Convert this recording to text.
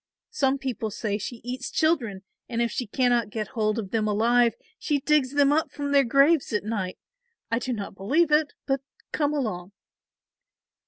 Some people say she eats children and if she cannot get hold of them alive she digs them up from their graves at night. I do not believe it, but come along."